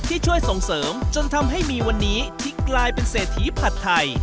ที่ช่วยส่งเสริมจนทำให้มีวันนี้ที่กลายเป็นเศรษฐีผัดไทย